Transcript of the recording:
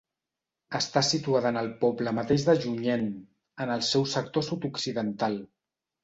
Està situada en el poble mateix de Junyent, en el seu sector sud-occidental.